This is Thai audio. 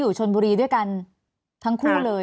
อยู่ชนบุรีด้วยกันทั้งคู่เลย